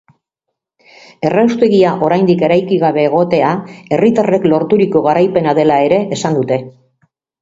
Erraustegia oraindik eraiki gabe egotea herritarrek lorturiko garaipena dela ere esan dute.